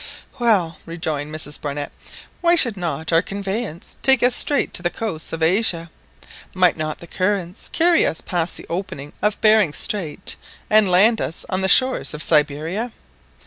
"Well," rejoined Mrs Barnett, "why should not our conveyance take us straight to the coasts of Asia? Might not the currents carry us past the opening of Bearing Strait and land us on the shores of Siberia?"